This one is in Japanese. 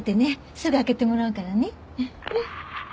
すぐ開けてもらうからね。